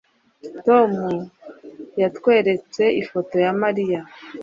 Tom yatweretse ifoto ya Mariya